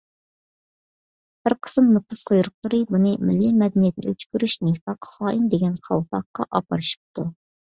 بىر قىسىم نوپۇز قۇيرۇقلىرى بۇنى مىللىي مەدەنىيەتنى ئۆچ كۆرۈش، نىفاق، خائىن دېگەن قالپاققا ئاپىرىشىپتۇ.